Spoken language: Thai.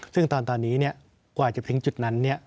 ซึ่งตอนนี้กว่าจะถึงจุดนั้น